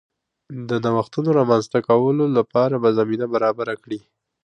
د نوښتونو رامنځته کولو لپاره به زمینه برابره کړي